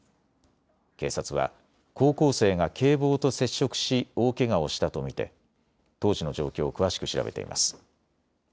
警察は、高校生が警棒と接触し大けがをしたと見て当時の状況を詳しく調べています。